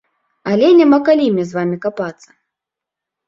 Але няма калі мне з вамі капацца.